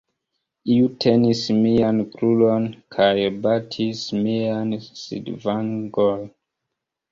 Iu tenis mian kruron kaj batis mian sidvangon.